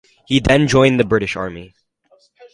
He then joined the British Army.